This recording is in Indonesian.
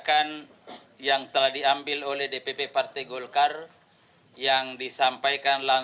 saya mau mengatang atai dulu